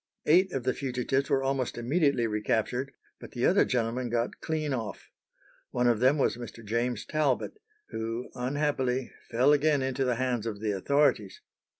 Eight of the fugitives were almost immediately recaptured, but the other gentlemen got clean off. One of them was Mr. James Talbot, who, unhappily, fell again into the hands of the authorities.